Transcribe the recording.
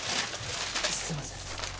すいません。